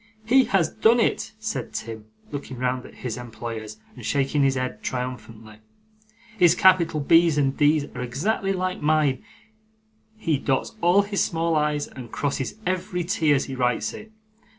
'He has done it!' said Tim, looking round at his employers and shaking his head triumphantly. 'His capital B's and D's are exactly like mine; he dots all his small i's and crosses every t as he writes it.